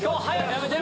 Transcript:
やめて！